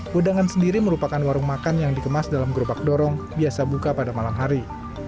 wedangan sendiri merupakan warung makan yang dikemas dalam gerobak dorong biasa buka pada malam hari